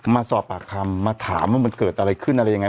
มาสอบปากคำมาถามว่ามันเกิดอะไรขึ้นอะไรยังไง